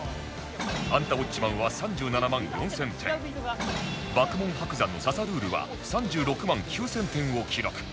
『アンタウォッチマン！』は３７万４０００点『爆問×伯山の刺さルール！』は３６万９０００点を記録